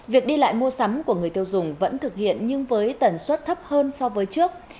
việc đi lại mua sắm của người tiêu dùng vẫn thực hiện nhưng với tần suất thấp hơn so với trước